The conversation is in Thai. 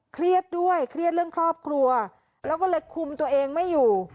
เครียดด้วยเครียดเรื่องครอบครัวแล้วก็เลยคุมตัวเองไม่อยู่